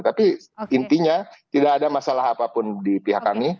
tapi intinya tidak ada masalah apapun di pihak kami